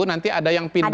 nanti ada yang pindah